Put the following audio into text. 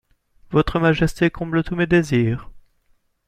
Votre Majesté comble tous mes désirs…